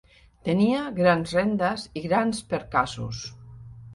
Tenia grans rendes i grans percaços.